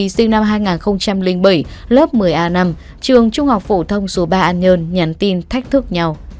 sinh năm hai nghìn bảy lớp một mươi a năm trường trung học phổ thông số ba an nhơn nhắn tin thách thức nhau